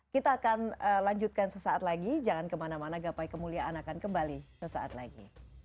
kita akan lanjutkan sesaat lagi jangan kemana mana gapai kemuliaan akan kembali sesaat lagi